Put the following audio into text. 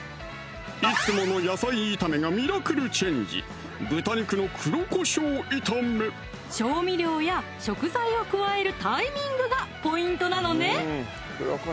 いつもの野菜炒めがミラクルチェンジ調味料や食材を加えるタイミングがポイントなのね